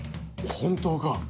本当か。